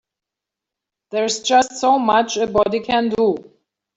There's just so much a body can do.